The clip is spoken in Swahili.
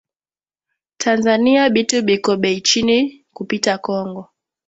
Tanzania bitu biko bei chini kupita kongo